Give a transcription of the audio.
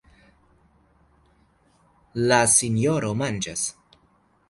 La sinjoro manĝas.